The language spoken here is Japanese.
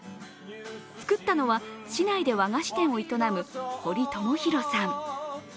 作ったのは市内で和菓子店を営む堀智弘さん。